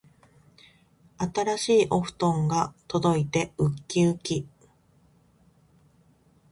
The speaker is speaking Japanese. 新しいお布団が届いてうっきうき